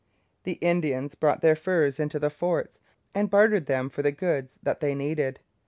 The Indians brought their furs into the forts and bartered them for the goods that they needed.